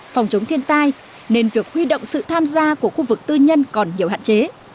phòng chống thiên tai nên việc huy động sự tham gia của khu vực tư nhân còn nhiều hạn chế